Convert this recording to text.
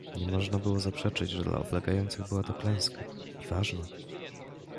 "Nie można było zaprzeczyć, że dla oblegających była to klęska, i ważna."